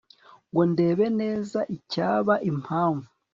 Ngo ndebe neza icyaba impamvu